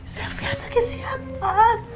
selfie anaknya siapa